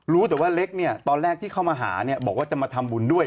รู้แต่ว่าเล็กเนี่ยตอนแรกที่เข้ามาหาเนี่ยบอกว่าจะมาทำบุญด้วย